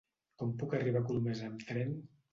Com puc arribar a Colomers amb tren?